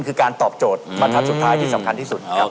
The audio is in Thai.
คือการตอบโจทย์บรรทัศน์สุดท้ายที่สำคัญที่สุดนะครับ